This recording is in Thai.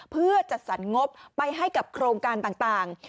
เพื่อจัดสรรงบไปให้กับโครงการต่าง